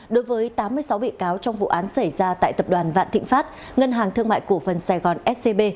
đối với tám mươi sáu bị cáo trong vụ án xảy ra tại tập đoàn vạn thịnh pháp ngân hàng thương mại cổ phần sài gòn scb